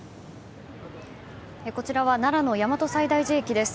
こちらは奈良の大和西大寺駅です。